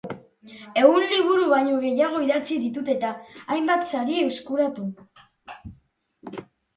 Ehun liburu baino gehiago idatzi ditu eta hainbat sari eskuratu.